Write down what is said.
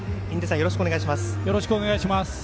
よろしくお願いします。